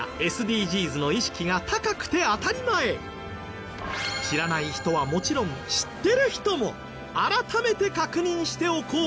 今や知らない人はもちろん知ってる人も改めて確認しておこう！